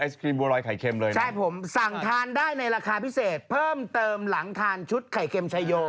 เหลือไข่เข็มเลยพอถือในราคาพิเศษ